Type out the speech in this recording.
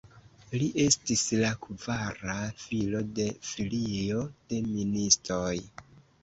Li estis la kvara filo de familio de ministoj.